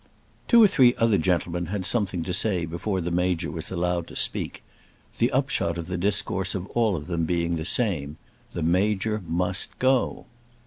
Two or three other gentlemen had something to say before the Major was allowed to speak, the upshot of the discourse of all of them being the same. The Major must go.